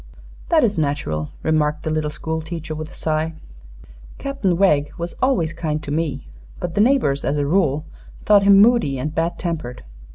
"That is natural," remarked the little school teacher, with a sigh. "Captain Wegg was always kind to me; but the neighbors as a rule thought him moody and bad tempered."